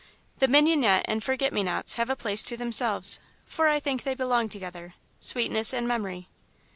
The mignonette and forget me nots have a place to themselves, for I think they belong together sweetness and memory.